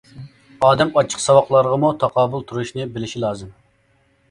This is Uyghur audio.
ئادەم ئاچچىق ساۋاقلارغىمۇ تاقابىل تۇرۇشنى بىلىشى لازىم.